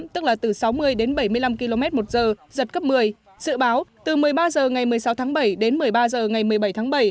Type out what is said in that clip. tức là từ sáu mươi đến bảy mươi năm km một giờ giật cấp một mươi dự báo từ một mươi ba h ngày một mươi sáu tháng bảy đến một mươi ba h ngày một mươi bảy tháng bảy